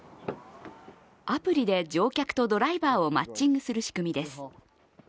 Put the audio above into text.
アプリで乗客とドライバーをマッチングする仕組みです。